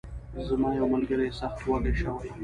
زما یو ملګری سخت وږی شوی.